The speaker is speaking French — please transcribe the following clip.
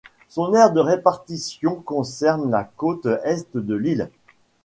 Son aire de répartition concerne la côte Est de l'île.